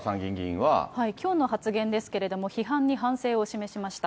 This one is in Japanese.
きょうの発言ですけれども、批判に反省を示しました。